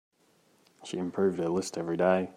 She improved her list every day.